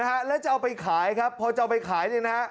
ฮะแล้วจะเอาไปขายครับพอจะเอาไปขายเนี่ยนะฮะ